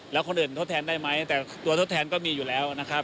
แล้วคนอื่นทดแทนได้ไหมแต่ตัวทดแทนก็มีอยู่แล้วนะครับ